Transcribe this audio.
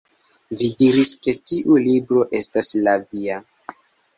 Vi diris ke tiu libro estas la via